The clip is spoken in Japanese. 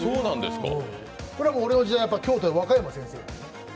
これは俺の時代、京都の先生。